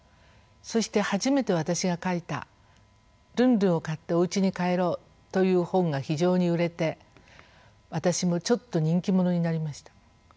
そして初めて私が書いた「ルンルンを買っておうちに帰ろう」という本が非常に売れて私もちょっと人気者になりました。